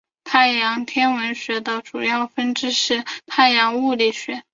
太阳天文学的主要分支是太阳物理学。